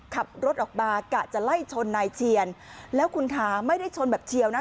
ขับรถออกมากะจะไล่ชนนายเชียนแล้วคุณคะไม่ได้ชนแบบเชียวนะ